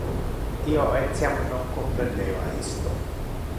Io etiam non comprendeva isto.